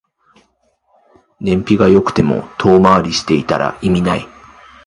燃費が良くても遠回りしてたら意味ない